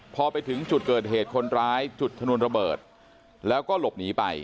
พอไปถึงจุดเกิดเหตุคนร้ายจุดชนวนระเบิดแล้วก็หลบหนีไป